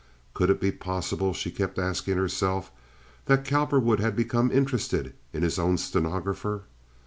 Could it be possible, she kept asking herself, that Cowperwood had become interested in his own stenographer?